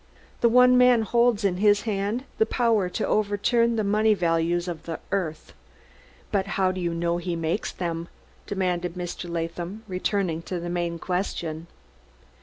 The one man holds in his hand the power to overturn the money values of the earth!" "But how do you know he makes them?" demanded Mr. Latham, returning to the main question.